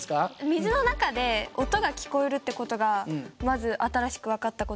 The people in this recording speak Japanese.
水の中で音が聞こえるって事がまず新しく分かった事で。